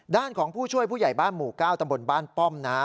ด้านของผู้ช่วยผู้ใหญ่บ้านหมู่๙ตำบลบ้านป้อมนะฮะ